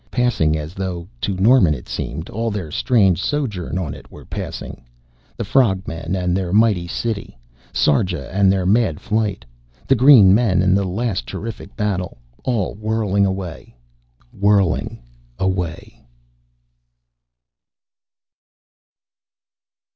Passing as though, to Norman it seemed, all their strange sojourn on it were passing; the frog men and their mighty city, Sarja and their mad flight, the green men and the last terrific battle; all whirling away whirling away.